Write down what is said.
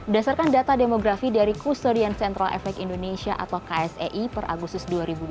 dasarkan data demografi dari kustorian central efek indonesia atau ksei per agustus dua ribu dua puluh